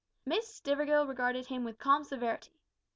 Miss Stivergill regarded him with calm severity.